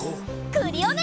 クリオネ！